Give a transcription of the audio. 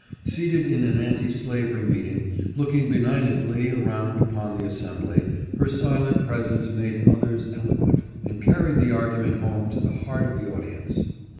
Seated in an anti slavery meeting, looking benig nantly around upon the assembly, her silent presence made others eloquent, and carried the argument home to the heart of the audience.